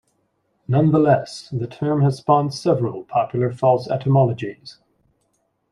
Nonetheless, the term has spawned several popular false etymologies.